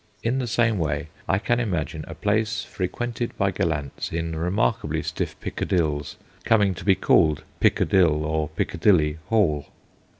In the same way, I can imagine a place frequented by gallants in remarkably stiff pickadilles coming to be called Pickadille or Pickadilly Hall.